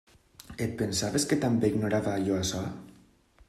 Et pensaves que també ignorava jo açò?